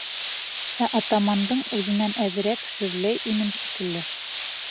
Ә атамандың үҙенән әҙерәк шөрләй инем шикелле.